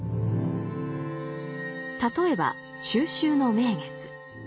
例えば中秋の名月。